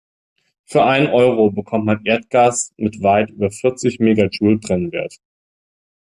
Für einen Euro bekommt man Erdgas mit weit über vierzig Megajoule Brennwert.